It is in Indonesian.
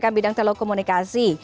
yang bidang telekomunikasi